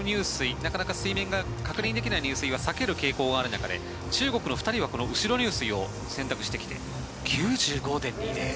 なかなか水面が確認できない入水は避ける傾向がある中で中国の２人は後ろ入水を選択してきて９５．２０。